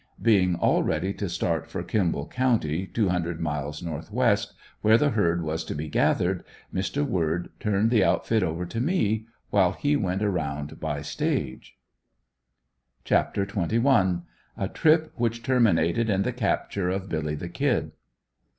Being all ready to start for Kimble County, two hundred miles northwest, where the herd was to be gathered, Mr. Word turned the outfit over to me, while he went around by stage. CHAPTER XXI. A TRIP WHICH TERMINATED IN THE CAPTURE OF "BILLY THE KID."